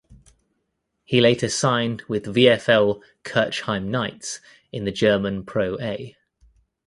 He later signed with VfL Kirchheim Knights in the German ProA.